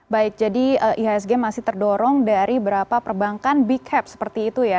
baik jadi ihsg masih terdorong dari berapa perbankan big cap seperti itu ya